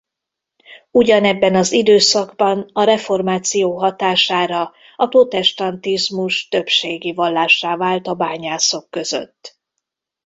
Ugyanebben az időszakban a reformáció hatására a protestantizmus többségi vallássá vált a bányászok között.